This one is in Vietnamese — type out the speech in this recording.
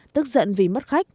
tức giận vì mất khách